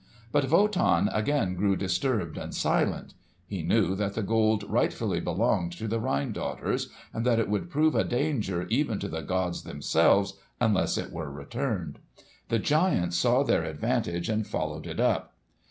But Wotan again grew disturbed and silent. He knew that the Gold rightfully belonged to the Rhine Daughters, and that it would prove a danger even to the gods themselves, unless it were returned. The giants saw their advantage and followed it up.